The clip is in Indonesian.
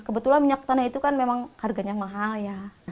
kebetulan minyak tanah itu kan memang harganya mahal ya